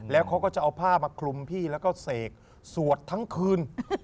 แล้วเขาก็จะเอาผ้ามาคลุมพี่แล้วก็เสกสวดทั้งคืน